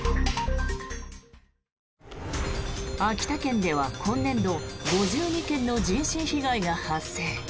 秋田県では今年度５２件の人身被害が発生。